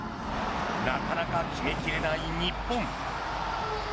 なかなか決め切れない日本。